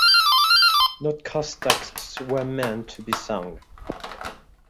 Notker's texts were meant to be sung.